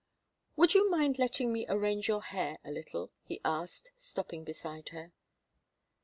"Would you mind letting me arrange your hair a little?" he asked, stopping beside her.